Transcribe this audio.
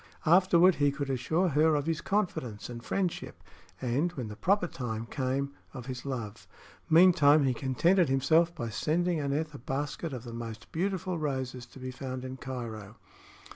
Afterward he could assure her of his confidence and friendship, and, when the proper time came, of his love. Meantime he contented himself by sending Aneth a basket of the most beautiful roses to be found in Cairo.